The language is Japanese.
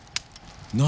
何？